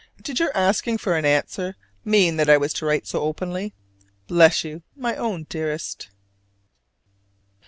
Did your asking for an "answer" mean that I was to write so openly? Bless you, my own dearest.